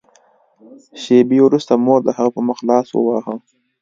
شېبې وروسته مور د هغه په مخ لاس وواهه